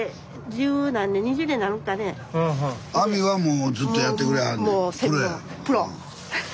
網はもうずっとやってくれはんねや。